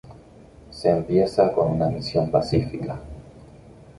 Se empieza con una misión pacífica.